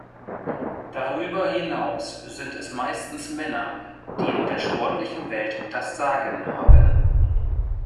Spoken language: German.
Darüber hinaus sind es meistens Männer, die in der sportlichen Welt das Sagen haben.